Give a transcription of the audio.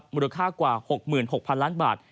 มูลค่ากว่า๖๖๐๐๐ล้านบาท